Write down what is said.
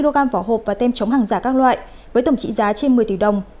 trên chín mươi kg vỏ hộp và tem chống hàng giả các loại với tổng trị giá trên một mươi triệu đồng